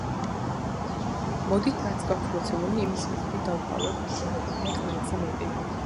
მოდით რაც გვაქ მოცემული იმის მიხედვით დავთვალოთ რომელია ყველაზე მეტი.